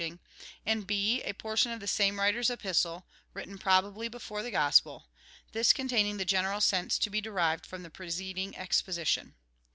ching : and (&) a portion of the same writer's Epistle (written probably before the Gospel) ; this containing the general sense to be derived from the preceding exposition.